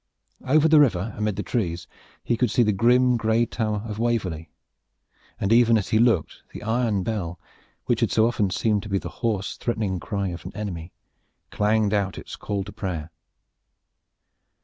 Over the river amid the trees he could see the grim, gray tower of Waverley, and even as he looked, the iron bell, which had so often seemed to be the hoarse threatening cry of an enemy, clanged out its call to prayer.